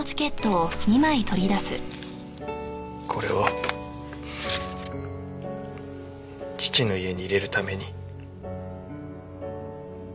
これを父の家に入れるために。